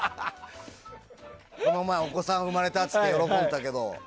この前お子さんが生まれたって言って喜ばれてたけど。